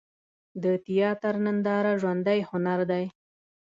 د تیاتر ننداره ژوندی هنر دی.